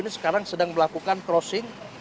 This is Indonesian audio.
ini sekarang sedang melakukan crossing